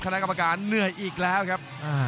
คณะกรรมการเหนื่อยอีกแล้วครับ